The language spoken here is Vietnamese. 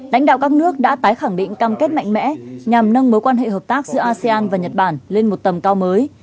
lãnh đạo các nước đã tái khẳng định cam kết mạnh mẽ nhằm nâng mối quan hệ hợp tác giữa asean và nhật bản lên một tầm cao mới